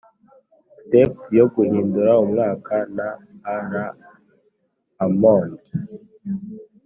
"tape yo guhindura umwaka" na a. r. ammons